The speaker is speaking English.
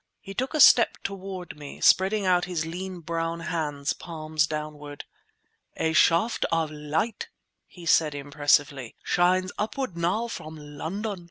He took a step toward me, spreading out his lean brown hands, palms downward. "A shaft of light," he said impressively, "shines upward now from London.